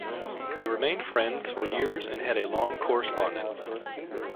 They remained friends for years and had a long correspondence.